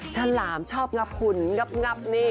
ฉลามชอบงับขุนงับนี่